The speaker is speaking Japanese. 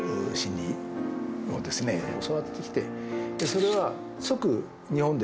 それは。